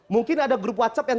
mungkin ada grup whatsapp